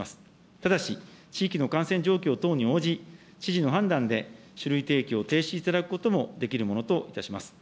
ただし、地域の感染状況等に応じ、知事の判断で酒類提供を停止していただくこともできるものといたします。